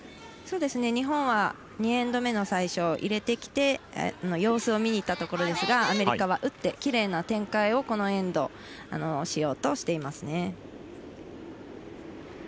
日本は２エンド目の最初入れてきて様子を見にいったところですがアメリカは打ってきれいな展開をこのエンドしようとしていますね。